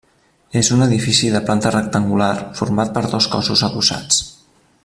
És un edifici de planta rectangular, format per dos cossos adossats.